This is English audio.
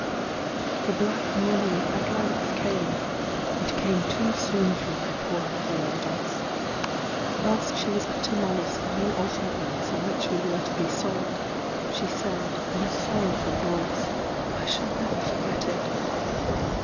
The black morning at length came; it came too soon for my poor mother and us. Whilst she was putting on us the new osnaburgs in which we were to be sold, she said, in a sorrowful voice, (I shall never forget it!)